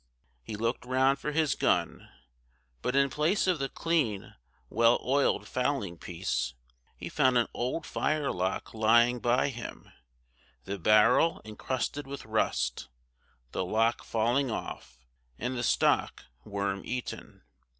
He looked round for his gun, but in place of the clean well oiled fowling piece, he found an old firelock lying by him, the barrel encrusted with rust, the lock falling off, and the stock worm eaten.